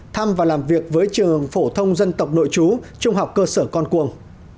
thăm và làm việc với trường phổ thông dân tộc nội chú trung học cơ sở con cuồng